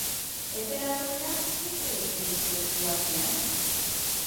Epe laburrera, zein proiektu duzu eskuartean?